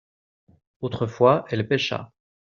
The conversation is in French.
autrefois elle pêcha.